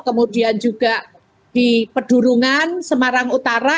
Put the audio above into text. kemudian juga di pedurungan semarang utara